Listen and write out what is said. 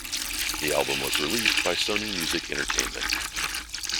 The album was released by Sony Music Entertainment.